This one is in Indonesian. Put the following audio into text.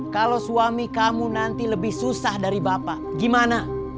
kalau suami kamu nanti lebih susah dari bapak gimana